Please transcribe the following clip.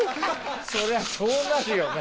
そりゃそうなるよね。